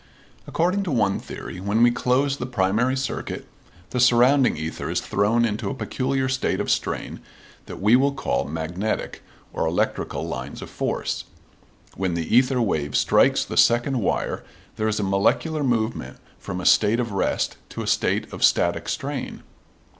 According to one theory, when we close the primary circuit the surrounding ether is thrown into a peculiar state of strain that we will call magnetic or electrical lines of force. When the ether wave strikes the second wire there is a molecular movement from a state of rest to a state of static strain.